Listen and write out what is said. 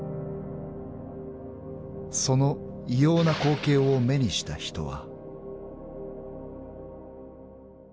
［その異様な光景を目にした人は］